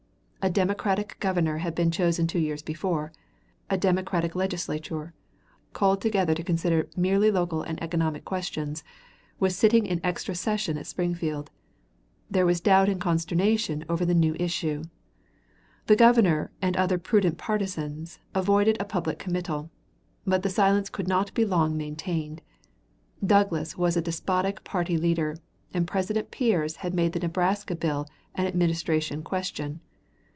A Democratic Governor had been chosen two years before; a Democratic Legislature, called together to consider merely local and economic questions, was sitting in extra session at Springfield. There was doubt and consternation over the new issue. The Governor and other prudent partisans avoided a public committal. But the silence could not be long maintained. Douglas was a despotic party leader, and President Pierce had made the Nebraska bill an Administration question.